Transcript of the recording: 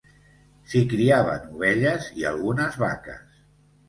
S'hi criaven ovelles i algunes vaques.